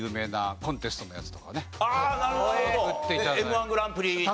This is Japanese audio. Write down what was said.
『Ｍー１グランプリ』とか。